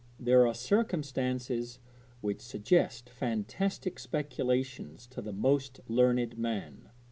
There are circumstances which suggest fantastic speculations to the most learned man.